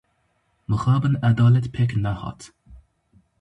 Mixabin edalet pêk nehat.